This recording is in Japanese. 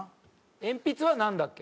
「鉛筆」はなんだっけ？